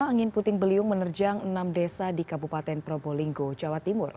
angin puting beliung menerjang enam desa di kabupaten probolinggo jawa timur